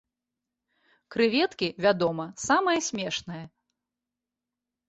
Крэветкі, вядома, самае смешнае.